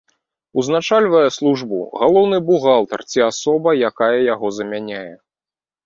Узначальвае службу галоўны бухгалтар ці асоба, якая яго замяняе.